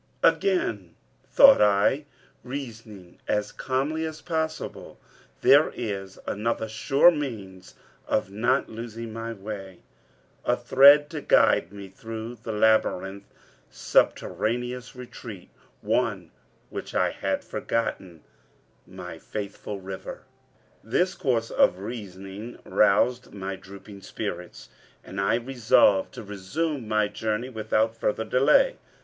"Again," thought I, reasoning as calmly as was possible, "there is another sure means of not losing my way, a thread to guide me through the labyrinthine subterraneous retreat one which I had forgotten my faithful river." This course of reasoning roused my drooping spirits, and I resolved to resume my journey without further delay.